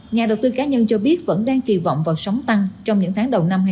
nhà đầu tư cá nhân cho biết vẫn đang kỳ vọng vào sóng tăng trong những tháng đầu năm hai nghìn hai mươi